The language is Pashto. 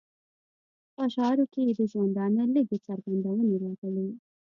په اشعارو کې یې د ژوندانه لږې څرګندونې راغلې.